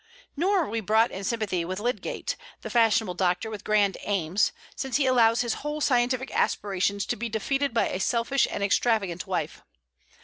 Nor are we brought in sympathy with Lydgate, the fashionable doctor with grand aims, since he allows his whole scientific aspirations to be defeated by a selfish and extravagant wife.